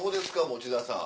持田さん。